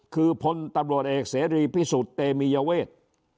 คือพลตำรวจเอกเสรีพิสุทธิ์เตมียเวท